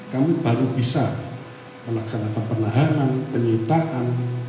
kami baru bisa melaksanakan penahanan penyitaan